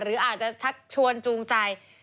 หรืออาจจะชักชวนจูงใจ